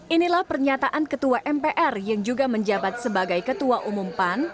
inilah pernyataan ketua mpr yang juga menjabat sebagai ketua umum pan